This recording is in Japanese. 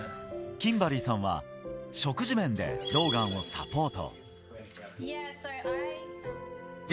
キンバリーさんは、食事面でローガンをサポート。